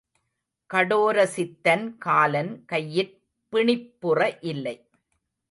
கடோரசித்தன் காலன் கையிற் பிணிப்புற இல்லை.